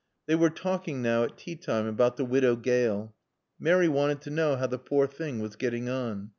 They were talking now, at tea time, about the Widow Gale. Mary wanted to know how the poor thing was getting on.